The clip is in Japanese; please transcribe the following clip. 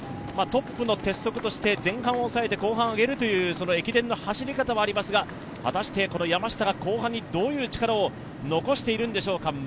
トップの鉄則として前半を抑えて後半を上げるという駅伝の走り方はありますが、果たして山下が後半にどういう力を残しているんでしょうか。